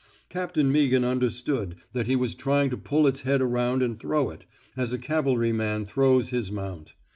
Captain Meaghan understood that he was trying to pull its head around and throw it, as a cavalryman throws his mount.